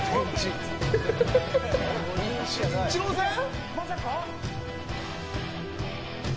イチローさん？